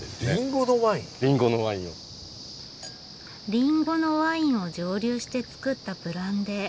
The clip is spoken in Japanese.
りんごのワインを蒸留して造ったブランデー。